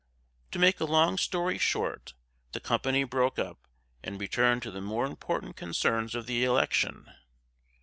To make a long story short, the company broke up, and returned to the more important concerns of the election.